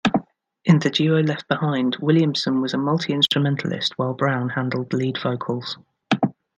In the duo left behind, Williamson was a multi-instrumentalist while Browne handled lead vocals.